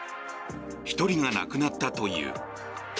１人が亡くなったという。